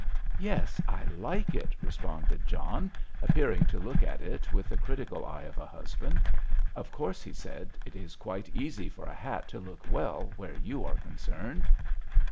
"Yes, I like it," responded John, appearing to look at it with the critical eye of a husband. "Of course," he said, "it is quite easy for a hat to look well where you are concerned."